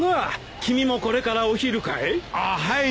君もこれからお昼かい？